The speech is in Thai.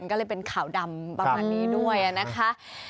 ก็เลยเป็นขาวดำเบาหน่อยด้วยอ่ะนะคะ